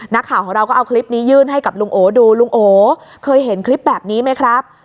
นักข่าวของเราก็เอาคลิปนี้ยื่นให้กับลุงโอดูลุงโอเคยเห็นคลิปแบบนี้ไหมครับ